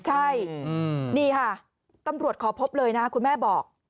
ใช่นี่ค่ะตำรวจขอพบเลยนะคุณแม่บอก